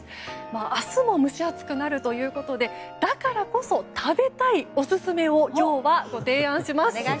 明日も蒸し暑くなるということでだからこそ、食べたいオススメを今日はご提案します。